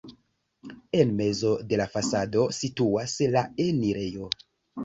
En mezo de la fasado situas la enirejo.